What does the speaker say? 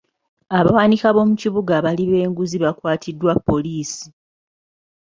Abawanika b'omu kibuga abali b'enguzi bakwatiddwa poliisi.